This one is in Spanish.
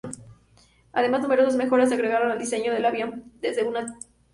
Además, numerosas mejoras se agregaron al diseño del avión desde una etapa temprana.